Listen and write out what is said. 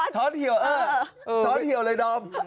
ช้อนเขี่ยวเออช้อนเขี่ยวเลยดอม